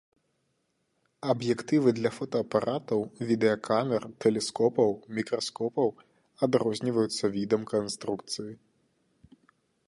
Аб'ектывы для фотаапаратаў, відэакамер, тэлескопаў, мікраскопаў адрозніваюцца відам канструкцыі.